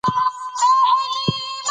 پرمختګ مهم دی.